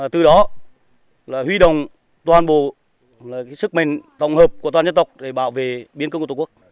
từ đó là huy động toàn bộ sức mạnh tổng hợp của toàn dân tộc để bảo vệ biên công của tổ quốc